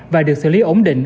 và được xử lý ổn định